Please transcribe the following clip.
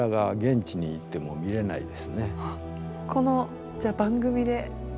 このこのじゃあ番組で。